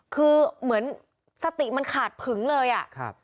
คือเหมือนสติมันขาดผึงเลยอ่ะ